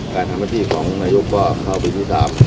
การทำพัฒนาที่ของนายุบก็เข้าวิทยุ๓